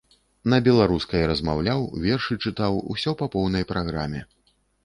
На беларускай размаўляў, вершы чытаў, усё па поўнай праграме.